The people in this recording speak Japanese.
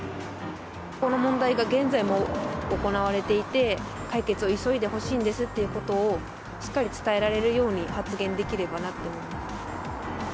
この問題が現在も行われていて、解決を急いでほしいんですってことを、しっかり伝えられるように発言できればなと思っています。